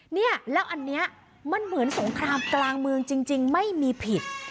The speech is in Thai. เนี่ยแล้วอันนี้มันเหมือนสงครามกลางเมืองจริงไม่มีผิด